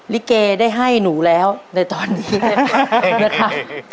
ลิเกได้ให้หนูแล้วในตอนนี้นะคะ